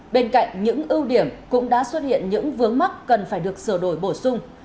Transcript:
bên cạnh những ưu điểm cũng đã xuất hiện những vướng mắc cần phải được sửa đổi bổ sung